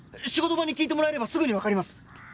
仕事場に聞いてもらえればすぐにわかります。